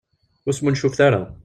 Ur smuncufet ara.